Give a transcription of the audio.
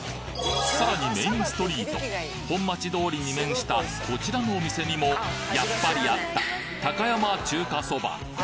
さらにメインストリート本町通りに面したこちらのお店にもやっぱりあった「高山中華そば」。